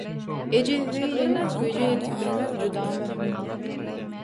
Ejizligi ýeňip güýje ýetip bilmek juda möhüm.